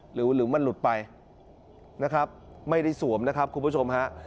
หรือมันหลุดไปนะครับไม่ได้สวมนะครับคุณผู้ชมฮะ